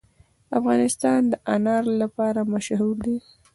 افغانستان د انار لپاره مشهور دی.